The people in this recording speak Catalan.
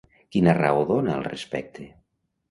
Quina raó dona al respecte?